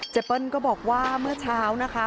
เปิ้ลก็บอกว่าเมื่อเช้านะคะ